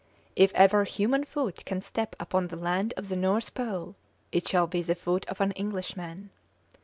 If ever human foot can step upon the land of the North Pole, it shall be the foot of an Englishman.